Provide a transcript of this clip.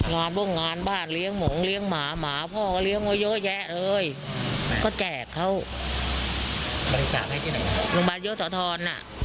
ร้านพวกงานบ้านเลี้ยงหมงเลี้ยงหมาหมาพ่อก็เลี้ยงเยอะแยะเลยก็แจกเขา